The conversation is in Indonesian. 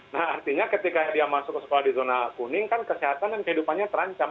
nah artinya ketika dia masuk ke sekolah di zona kuning kan kesehatan dan kehidupannya terancam